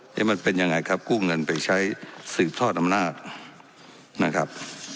นี่มันเป็นยังไงครับกู้เงินไปใช้สืบทอดอำนาจนะครับ